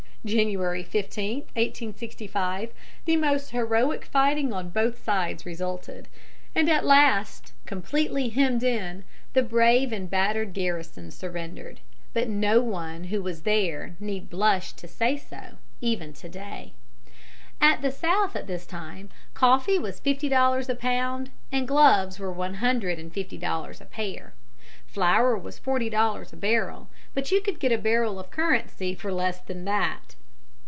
January 15, 1865, the most heroic fighting on both sides resulted, and at last, completely hemmed in, the brave and battered garrison surrendered; but no one who was there need blush to say so, even to day. At the South at this time coffee was fifty dollars a pound and gloves were one hundred and fifty dollars a pair. Flour was forty dollars a barrel; but you could get a barrel of currency for less than that.